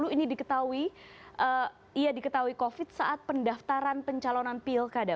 ini diketahui covid saat pendaftaran pencalonan pilkada